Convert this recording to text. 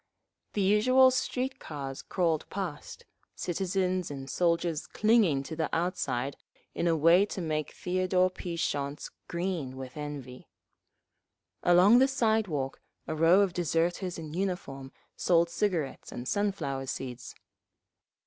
The usual street cars crawled past, citizens and soldiers clinging to the outside in a way to make Theodore P. Shonts green with envy…. Along the sidewalk a row of deserters in uniform sold cigarettes and sunflower seeds….